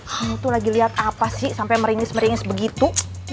kau tuh lagi liat apa sih sampe meringis meringis begitu